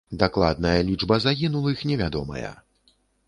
Дакладная лічба загінулых невядомая.